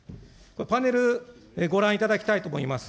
パネル、ご覧いただきたいと思います。